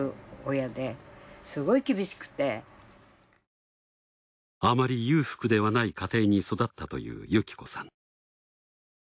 私はあまり裕福ではない家庭に育ったという雪子さん。